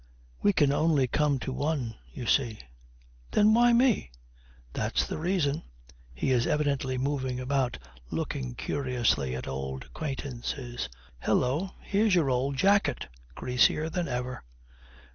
'We can only come to one, you see.' 'Then why me?' 'That's the reason.' He is evidently moving about, looking curiously at old acquaintances. 'Hello, here's your old jacket, greasier than ever!'